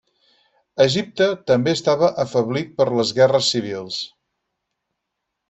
Egipte també estava afeblit per les guerres civils.